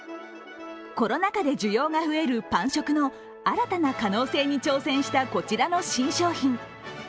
コロナ禍で需要が増えるパン食の新たな可能性に挑戦したこちらの新商品。